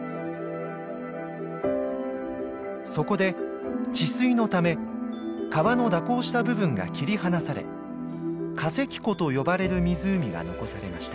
そこで治水のため川の蛇行した部分が切り離され河跡湖と呼ばれる湖が残されました。